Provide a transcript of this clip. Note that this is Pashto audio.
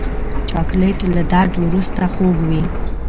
چاکلېټ له درد وروسته خوږ وي.